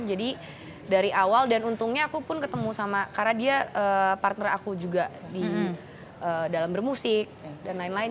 jadi dari awal dan untungnya aku pun ketemu sama karena dia partner aku juga di dalam bermusik dan lain lain